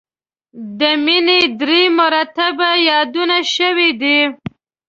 د مینې درې مرتبې یادونه شوې ده.